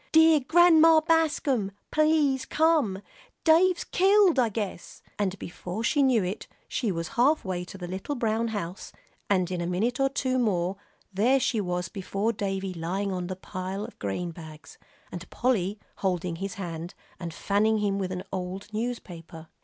"Dear Grandma Bascom, please come; Dave's killed, I guess," and before she knew it, she was halfway to the little brown house, and in a minute or two more there she was before Davie lying on the pile of grain bags, and Polly holding his hand, and fanning him with an old newspaper.